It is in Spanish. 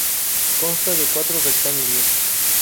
Consta de cuatro rectángulos.